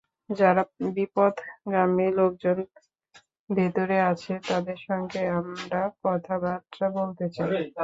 যারা বিপথগামী লোকজন ভেতরে আছে, তাদের সঙ্গে আমরা কথাবার্তা বলতে চাই।